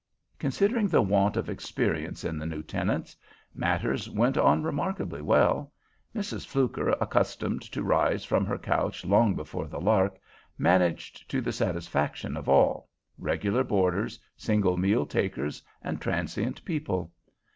Considering the want of experience in the new tenants, matters went on remarkably well. Mrs. Fluker, accustomed to rise from her couch long before the lark, managed to the satisfaction of all,—regular boarders, single meal takers, and transient people.